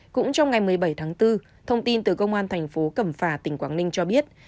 cũng trong ngày một mươi bảy tháng bốn thông tin từ công an thành phố cẩm phả tỉnh quảng ninh cho biết